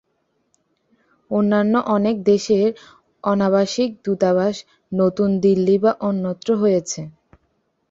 অন্যান্য অনেক দেশের অনাবাসিক দূতাবাস নতুন দিল্লী বা অন্যত্র রয়েছে।